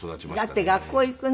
だって学校行くのに。